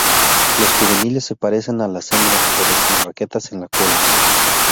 Los juveniles se parecen a las hembras pero sin raquetas en la cola.